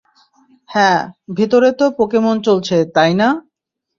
হ্যাঁ, ভিতরে তো পোকেমন চলছে, তাই না?